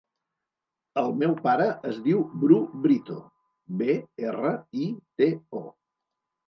El meu pare es diu Bru Brito: be, erra, i, te, o.